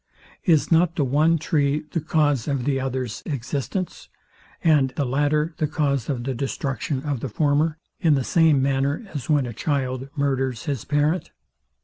Is not the one tree the cause of the other's existence; and the latter the cause of the destruction of the former, in the same manner as when a child murders his parent?